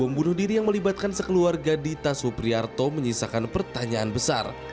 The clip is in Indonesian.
pembunuh diri yang melibatkan sekeluarga dita supriyarto menyisakan pertanyaan besar